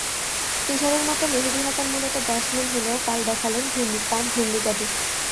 তুষারের মতো মেহেদী হাসান মূলত ব্যাটসম্যান হলেও কাল দেখালেন তাঁর ঘূর্ণিজাদু।